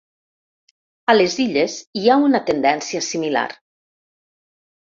A les Illes hi ha una tendència similar.